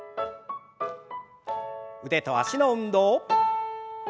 腕と脚の運動。